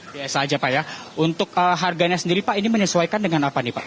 biasa aja pak ya untuk harganya sendiri pak ini menyesuaikan dengan apa nih pak